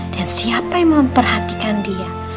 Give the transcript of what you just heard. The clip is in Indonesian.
dan siapa yang memperhatikan dia